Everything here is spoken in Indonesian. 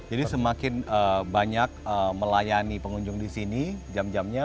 semakin banyak melayani pengunjung di sini jam jamnya